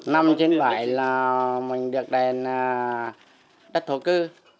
năm chín mươi bảy là mình được đền đất thổ cư